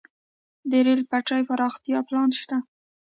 د ریل پټلۍ پراختیا پلان شته